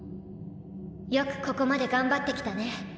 よくここまで頑張ってきたね。